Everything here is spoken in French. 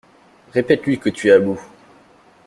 Répète-lui que tu es à bout.